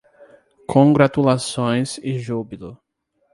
Congratulações e júbilo